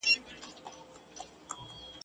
ستا د غلیم په ویر به وکاږي ارمان وطنه !.